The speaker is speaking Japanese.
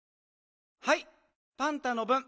はいパンタのぶん。